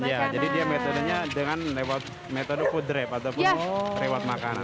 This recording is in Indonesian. iya jadi dia metodenya dengan lewat metode food drib ataupun rewat makanan